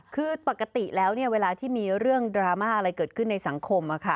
คือปกติแล้วเวลาที่มีเรื่องดราม่าอะไรเกิดขึ้นในสังคม